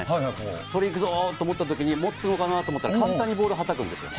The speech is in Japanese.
取りにいくぞと思ったときに、持つのかなと思ったら、簡単にボール放つんですよ。